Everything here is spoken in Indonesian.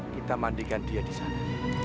kita mandikan dia disana